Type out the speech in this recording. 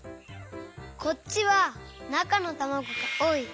こっちはなかのたまごがおおい。